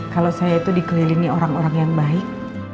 kalau saya itu dikelilingi orang orang yang baik